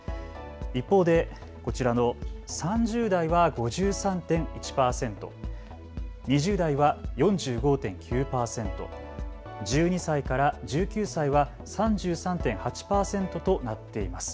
一方でこちらの３０代は５３．１％、２０代は４５．９％、１２歳から１９歳は３３．８％となっています。